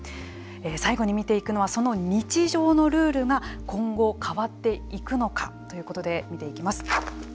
最後に見ていくのはその日常のルールが今後、変わっていくのかということで見ていきます。